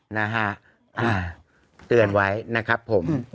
นะฮะเตือนไว้นะครับผม